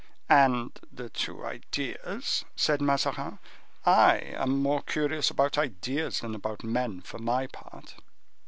"And the two ideas," said Mazarin;—"I am more curious about ideas than about men, for my part."